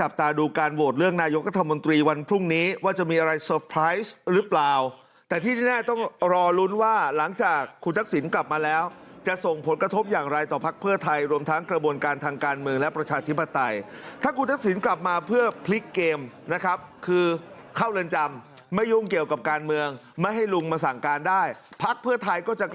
ภูมิใจไทยหรือเปล่าปิดป้อมหรือเปล่าอันนี้เราก็ไม่รู้